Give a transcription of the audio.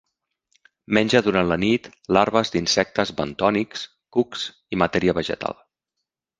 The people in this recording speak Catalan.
Menja durant la nit larves d'insectes bentònics, cucs i matèria vegetal.